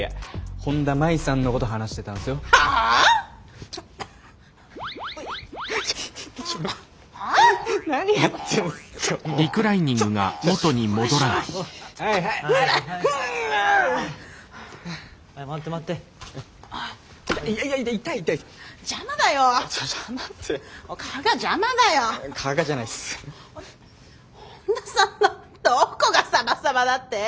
本田さんのどこがサバサバだって？